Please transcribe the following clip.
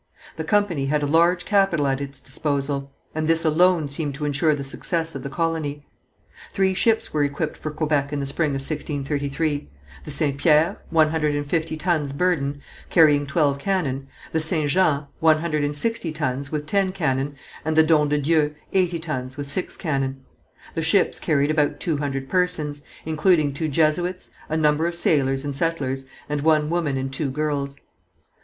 The company had a large capital at its disposal, and this alone seemed to insure the success of the colony. Three ships were equipped for Quebec in the spring of 1633, the St. Pierre, one hundred and fifty tons burden, carrying twelve cannon; the St. Jean, one hundred and sixty tons, with ten cannon, and the Don de Dieu, eighty tons, with six cannon. The ships carried about two hundred persons, including two Jesuits, a number of sailors and settlers, and one woman and two girls.